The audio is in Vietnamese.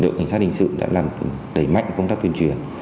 đội cảnh sát hình sự đã đẩy mạnh công tác tuyên truyền